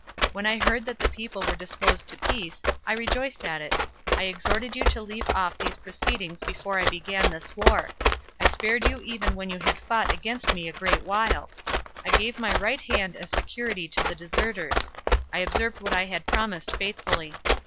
When I heard that the people were disposed to peace, I rejoiced at it; I exhorted you to leave off these proceedings before I began this war; I spared you even when you had fought against me a great while; I gave my right hand as security to the deserters; I observed what I had promised faithfully.